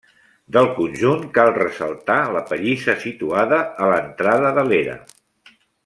Del conjunt, cal ressaltar la pallissa situada a l'entrada de l'era.